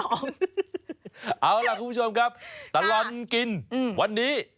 เอาล่ะคุณผู้ชมครับตลอดกินวันนี้